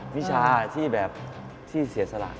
วิชาที่แบบที่เสียสละ